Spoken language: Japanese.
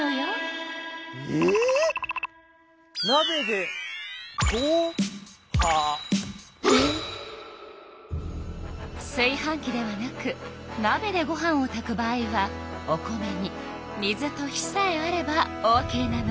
なべですい飯器ではなくなべでご飯を炊く場合はお米に水と火さえあればオーケーなの。